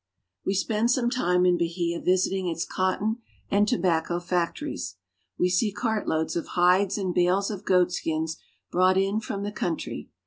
288 BRAZIL. We spend some time in Bahia visiting its cotton and tobacco factories. We see cartloads of hides and bales of goatskins brought in from the country.